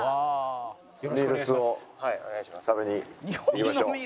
ミールスを食べに行きましょう。